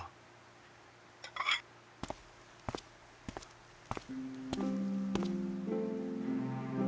aku akan mencoba